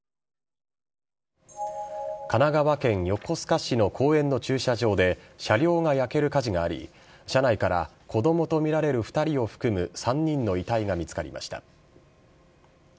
神奈川県横須賀市の公園の駐車場で車両が焼ける火事があり車内から子供とみられる２人を含む３人の遺体が見つかりました。